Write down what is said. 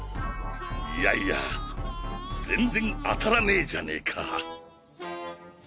いやいや全然当たらねぇじゃねぇか。